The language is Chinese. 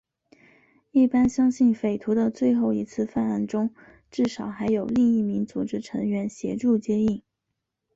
一般相信匪徒的最后一次犯案中至少还有另一名组织成员协助接应。